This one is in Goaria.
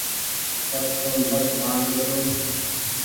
پڇ تم وٽ آن ٻهيٺو